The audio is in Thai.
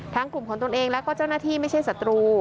กลุ่มของตนเองแล้วก็เจ้าหน้าที่ไม่ใช่ศัตรู